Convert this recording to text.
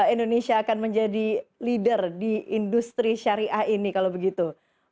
indonesia akan menjadi leader di industri syariah ini kalau begitu